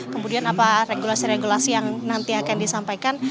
kemudian apa regulasi regulasi yang nanti akan disampaikan